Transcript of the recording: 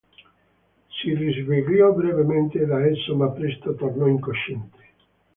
Si risvegliò brevemente da esso ma presto tornò incosciente.